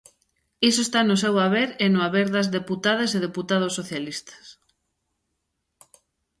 Iso está no seu haber e no haber das deputadas e deputados socialistas.